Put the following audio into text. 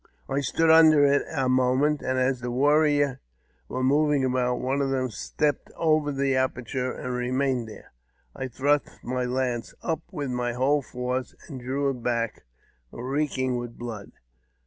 I stood under it a moment, and as the warriors were moving about, one of them stepped over the aperture and remained there. I thrust my lance up with my whole force, and drew it back reeking with blood.